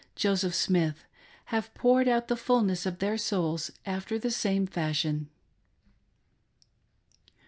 Joseph Smith, have poured out the fulness of their souls after the same fashion.